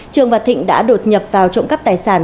trường và thịnh đã đột nhập vào trộm cắp tài sản